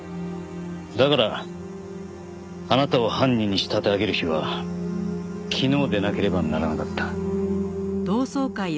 だからあなたを犯人に仕立て上げる日は昨日でなければならなかった。